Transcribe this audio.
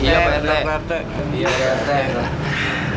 iya pak rt